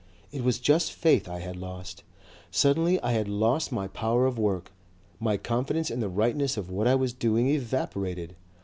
It was just faith I had lost. Suddenly I had lost my power of work. My confidence in the rightness of what I was doing evaporated.